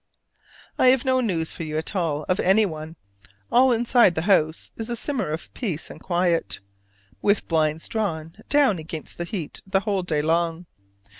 I have no news for you at all of anyone: all inside the house is a simmer of peace and quiet, with blinds drawn down against the heat the whole day long.